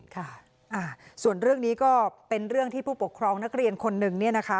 ค่ะส่วนเรื่องนี้ก็เป็นเรื่องที่ผู้ปกครองนักเรียนคนหนึ่งเนี่ยนะคะ